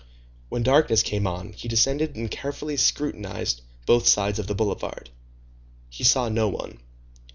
When darkness came on, he descended and carefully scrutinized both sides of the boulevard. He saw no one.